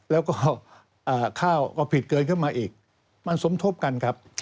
แล้วก็ข้าวก็ผิดเกินขึ้นมาอีกมันสมทบกันครับ